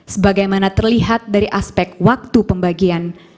sebagaimana terlihat dari aspek waktu pembagian